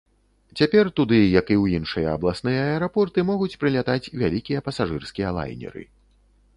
Цяпер туды, як і ў іншыя абласныя аэрапорты, могуць прылятаць вялікія пасажырскія лайнеры.